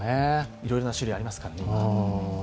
いろいろな種類がありますからね。